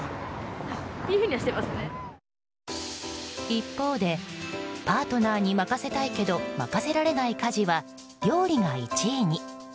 一方で、パートナーに任せたいけど任せられない家事は料理が１位に。